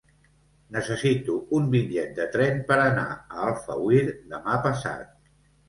Necessito un bitllet de tren per anar a Alfauir demà passat.